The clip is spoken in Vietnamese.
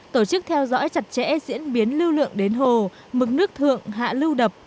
tổ chức theo dõi chặt chẽ diễn biến lưu lượng đến hồ mực nước thượng hạ lưu đập